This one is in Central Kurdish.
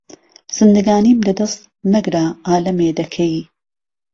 زندگانیم له دهس، مهگره، عالهمێ دهکهی